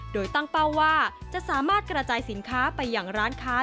โดยตั้งเป้าว่าจะสามารถกระจายสินค้าไปอย่างร้านค้า